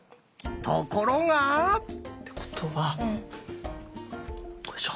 ところが！ってことはここでしょ。